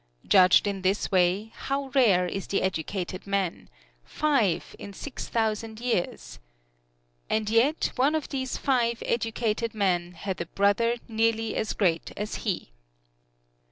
Judged in this way, how rare is the educated man five in six thousand years! And yet one of these five educated men had a brother nearly as great as he.